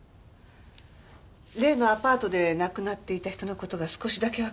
例のアパートで亡くなっていた人の事が少しだけわかりました。